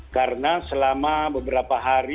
karena selama beberapa hari